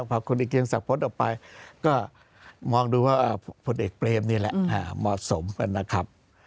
พอคนที่เกลียงศักดิ์ผลออกไปก็มองดูว่าผลเอกเกลียงศักดิ์นี่แหละอ่าเหมาะสมกันนะครับ